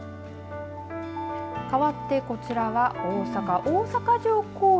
かわってこちらは大阪大阪城公園。